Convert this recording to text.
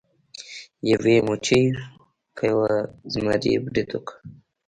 یوې مچۍ په یو زمري برید وکړ.